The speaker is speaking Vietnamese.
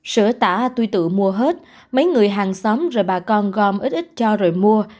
sửa tả tôi tự mua hết mấy người hàng xóm rồi bà con gom ít ít cho rồi mua